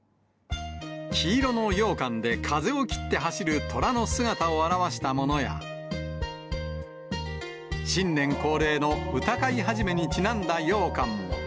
黄色のようかんで風を切って走るトラの姿を表したものや、新年恒例の歌会始にちなんだようかんも。